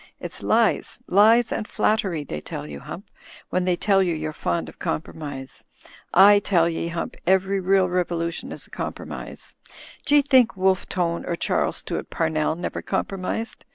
It's lies, lies and flattery they tell you, Hump, when they tell you you're fond of compromise. I tell ye. Hump, everyn*eal revolution is a compromise. D'ye think Wolfe Tone or Charles Stuart Pamell never compromised?